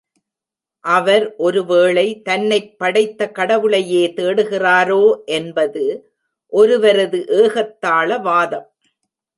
அவர் ஒருவேளை தன்னைப் படைத்த கடவுளையே தேடுகிறாரோ என்பது ஒருவரது ஏகத்தாள வாதம்.